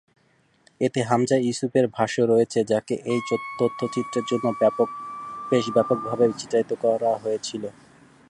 এতে হামজা ইউসুফের ভাষ্য রয়েছে, যাকে এই তথ্যচিত্রের জন্য বেশ ব্যাপকভাবে চিত্রায়িত করা হয়েছিল।